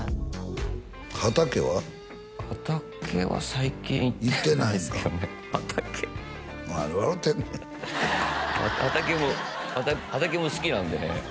畑は最近行ってないんか畑何笑うてんねん畑も畑も好きなんでね